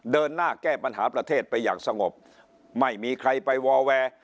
เดินหน้าแก้ปัญหาประเทศไปอย่างสงบไม่มีใครไปวอแวร์